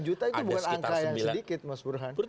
dua juta itu bukan angka yang sedikit mas burhan